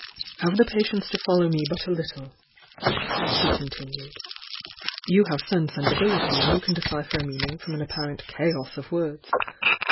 "Have the patience to follow me but a little," he continued. "You have sense and ability and you can decipher a meaning from an apparent chaos of words.